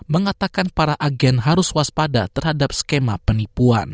mengatakan para agen harus waspada terhadap skema penipuan